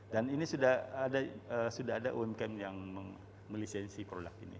dan ini sudah ada umkm yang melisensi produk ini